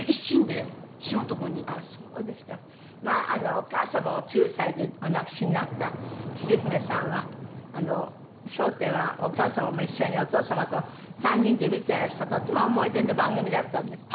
お母様を９歳でお亡くしになったきく姫さんは『笑点』はお母様も一緒にお父様と３人で見てらしたとても思い出の番組だったんですって？